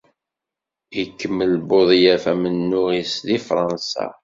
Ikemmel Buḍuaf amennuɣ-is deg Fransa.